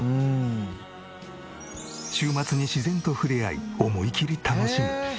週末に自然と触れ合い思いきり楽しむ。